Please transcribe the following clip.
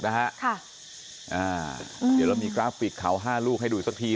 เดี๋ยวเรามีกราฟิกเขัวห้ารูกให้ดูอีกที